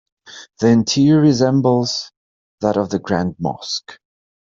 The interior resembles that of the Grand Mosque.